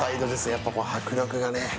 やっぱこう、迫力がね。